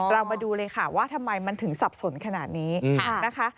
เรามาดูเลยค่ะว่าทำไมมันถึงสับสนขนาดนี้นะคะ